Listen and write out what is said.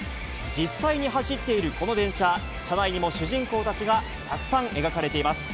実際に走っているこの電車、車内にも主人公たちがたくさん描かれています。